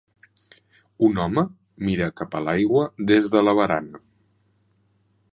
Un home mira cap a l'aigua des de la barana.